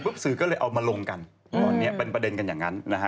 สื่อก็เลยเอามาลงกันตอนนี้เป็นประเด็นกันอย่างนั้นนะฮะ